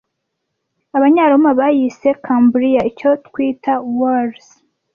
Abanyaroma bayise Cambria - icyo twita Wales